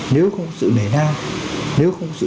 nếu không có sự đề nang nếu không có sự